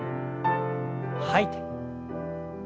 吐いて。